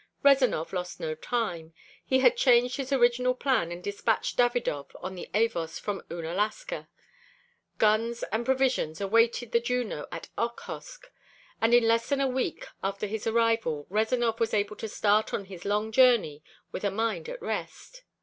Rezanov lost no time. He had changed his original plan and dispatched Davidov on the Avos from Oonalaska. Guns and provisions awaited the Juno at Okhotsk, and in less than a week after his arrival Rezanov was able to start on his long journey with a mind at rest.